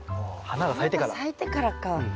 花が咲いてからか。